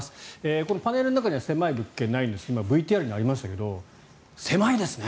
このパネルの中には狭い物件ないんですけど今、ＶＴＲにありましたけど狭いですね。